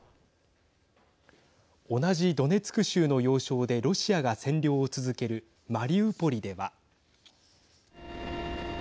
同じドネツク州の要衝でロシアが占領を続けるマリウポリでは。